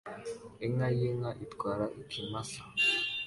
Inka yinka itwara ikimasa